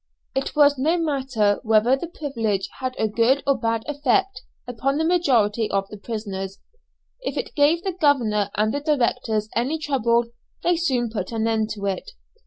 It was no matter whether the privilege had a good or bad effect upon the majority of the prisoners, if it gave the governor and the directors any trouble they soon put an end to it.